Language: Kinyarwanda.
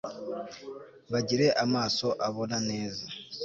bagire amaso abona neza